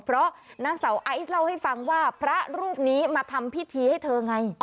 เพราะนางสาวไอซ์เล่าให้ฟังว่าพระรูปนี้มาทำพิธีให้เธอไง